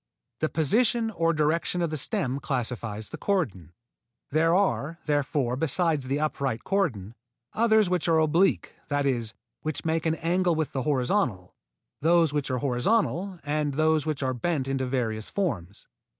The position or direction of the stem classifies the cordon. There are, therefore, besides the upright cordon, others which are oblique, that is, which make an angle with the horizontal, those which are horizontal, and those which are bent into various forms.